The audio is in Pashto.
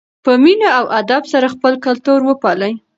په مینه او ادب سره خپل کلتور وپالئ.